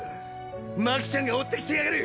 マキちゃんが追ってきてやがる。